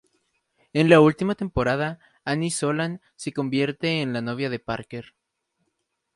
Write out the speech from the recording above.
En la última temporada Annie Sloan se convierte en la novia de Parker.